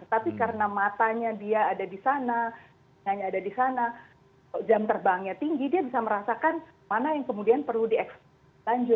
tetapi karena matanya dia ada di sananya ada di sana jam terbangnya tinggi dia bisa merasakan mana yang kemudian perlu diekspor lanjut